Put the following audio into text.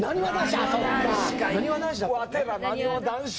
なにわ男子！